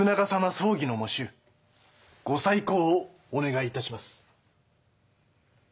葬儀の喪主ご再考をお願いいたします。